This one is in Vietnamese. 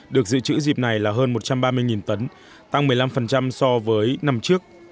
được dự trữ dịp này là hơn một trăm ba mươi tấn tăng một mươi năm so với năm trước